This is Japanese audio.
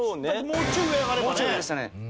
もうちょい上でしたね。